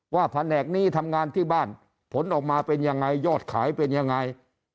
แผนกนี้ทำงานที่บ้านผลออกมาเป็นยังไงยอดขายเป็นยังไง